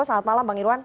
selamat malam bang irwan